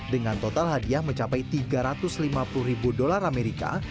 dengan total hadiah mencapai tiga ratus lima puluh ribu dolar amerika